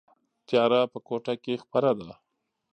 تیاره په کوټه کې خپره ده.